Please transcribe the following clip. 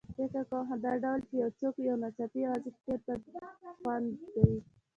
فکر کوم دغه ډول چې یو څوک یو ناڅاپه یوازې شي ډېر بدخوند کوي.